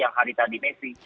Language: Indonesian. yang hari tadi mesin